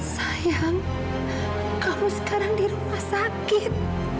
sayang kamu sekarang di rumah sakit